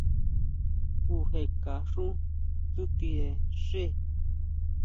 Kujekaxú tsutire xe.